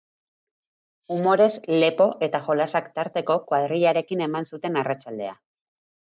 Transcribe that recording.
Umorez lepo eta jolasak tarteko, kuadrillarekin eman zuten arratsaldea.